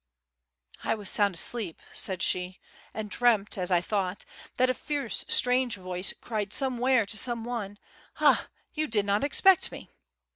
"I was sound asleep," said she, "and dreamt, as I thought, that a fierce, strange voice cried somewhere to some one: 'Ah! you did not expect me!